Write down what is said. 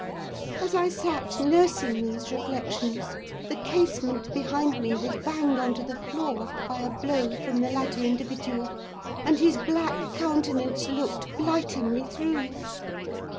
As I sat nursing these reflections, the casement behind me was banged on to the floor by a blow from the latter individual, and his black countenance looked blightingly through.